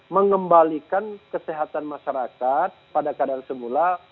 mengembalikan kesehatan masyarakat pada keadaan semula